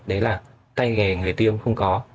đấy là tay nghề người tiêm không có